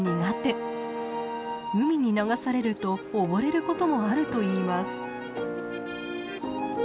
海に流されると溺れることもあるといいます。